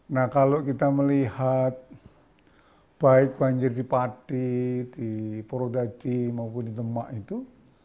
nah kalau kita melihat baik banjir di padi di purwodadi maupun di demak itu